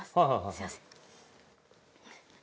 すいません。